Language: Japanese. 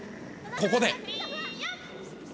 ここで。